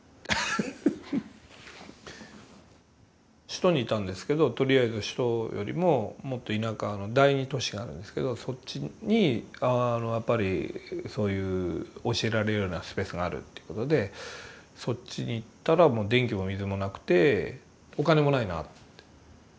首都にいたんですけどとりあえず首都よりももっと田舎の第二都市があるんですけどそっちにあのやっぱりそういう教えられるようなスペースがあるということでそっちに行ったらもう電気も水もなくてお金もないなって。